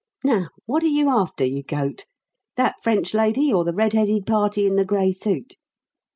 "Now, what are you after, you goat? That French lady, or the red headed party in the grey suit?"